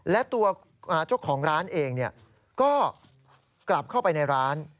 และตัวเจ้าของร้านเองก็กลับเข้าไปในร้าน